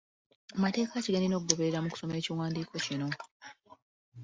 Mateeke ki ge nnina okugoberera mu kusoma ekiwandiiko kino?